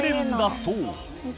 そう